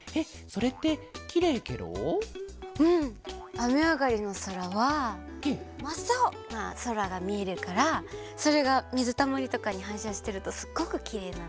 あめあがりのそらはまっさおなそらがみえるからそれがみずたまりとかにはんしゃしてるとすっごくきれいなんだよ。